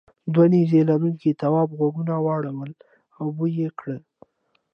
دوو نیزه لرونکو تواب غوږونه واړول او بوی یې کړ.